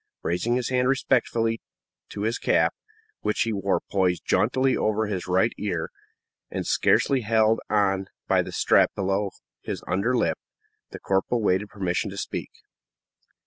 Raising his hand respectfully to his cap, which he wore poised jauntily over his right ear, and scarcely held on by the strap below his under lip, the corporal waited permission to speak.